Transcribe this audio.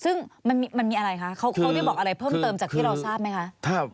ซึ่งมันมีอะไรคะเขาได้บอกอะไรเพิ่มเติมจากที่เราทราบไหมคะ